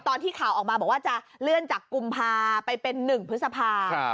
ตอนที่ข่าวออกมาบอกว่าจะเลื่อนจากกุมภาไปเป็น๑พฤษภา